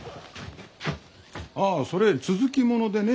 ああそれ続き物でね。